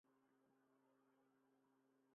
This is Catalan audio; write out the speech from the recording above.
A l'est limiten amb Togo.